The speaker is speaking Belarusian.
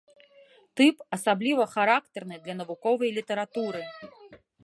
Тып, асабліва характэрны для навуковай літаратуры.